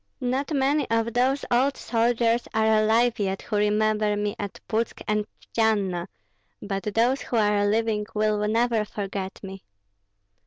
Not many of those old soldiers are alive yet who remember me at Putsk and Tjtsianna; but those who are living will never forget me."